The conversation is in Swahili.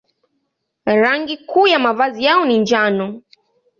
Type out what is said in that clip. Rangi kuu ya mavazi yao ni njano.